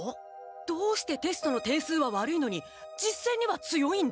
どうしてテストの点数は悪いのに実戦には強いんだ？